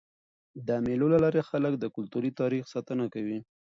د مېلو له لاري خلک د کلتوري تاریخ ساتنه کوي.